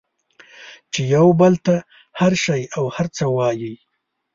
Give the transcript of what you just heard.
چې یو بل ته هر شی او هر څه وایئ